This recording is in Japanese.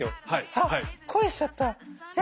あっ恋しちゃったやだ